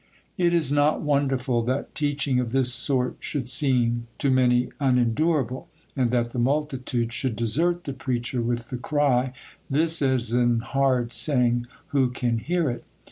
It is not wonderful that teaching of this sort should seem to many unendurable, and that the multitude should desert the preacher with the cry, 'This is an hard saying; who can hear it?